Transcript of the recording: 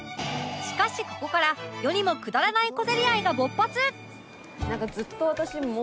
しかしここから世にもくだらない小競り合いが勃発！？